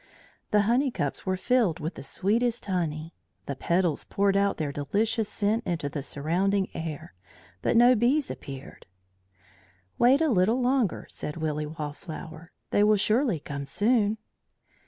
The honey cups were filled with sweetest honey, the petals poured out their delicious scent into the surrounding air, but no bees appeared. "Wait a little longer," said Willy Wallflower. "They will surely come soon."